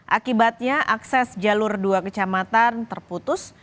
akibatnya akses jalur dua kecamatan terputus